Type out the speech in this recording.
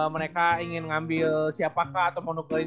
mereka ingin ngambil siapakah atau mkanya itu